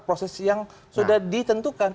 proses yang sudah ditentukan